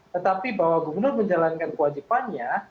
tetapi bahwa gubernur menjalankan kewajibannya